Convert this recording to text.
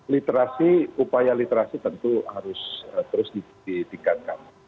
literasi upaya literasi tentu harus terus ditingkatkan